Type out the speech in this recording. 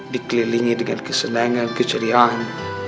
dikelilingi dengan kesenangan keceriaan